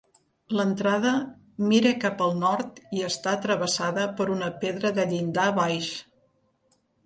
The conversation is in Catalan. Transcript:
L'entrada mira cap al nord i està travessada per una pedra de llindar baix.